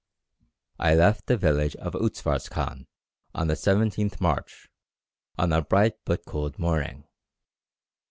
"I left the village of Utzfars Kan on the 17th March, on a bright but cold morning.